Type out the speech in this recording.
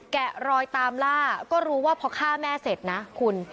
แกะรอยตามล่าก็รู้ว่าพอฆ่าแม่เสร็จนะคุณ